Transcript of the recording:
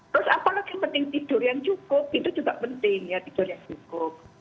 terus apalagi yang penting tidur yang cukup itu juga penting ya tidur yang cukup